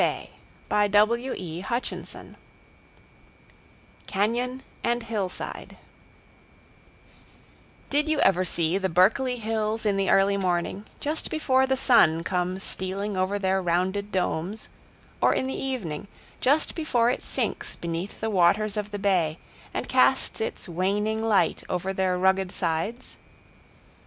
Cañon and Hillside Did you ever see the Berkeley hills in the early morning, just before the sun comes stealing over their rounded domes, or in the evening, just before it sinks beneath the waters of the bay, and casts its waning light over their rugged sides?